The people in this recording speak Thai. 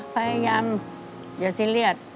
พยายามอย่าซีเรียส